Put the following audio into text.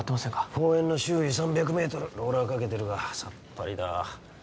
公園の周囲３００メートルローラーかけてるがさっぱりだ